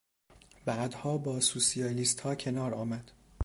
بعدها با سوسیالیستها کنار آمد.